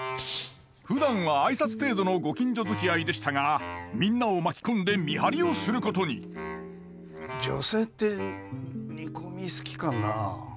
ふだんは挨拶程度のご近所づきあいでしたがみんなを巻き込んで見張りをすることに女性って煮込み好きかなあ。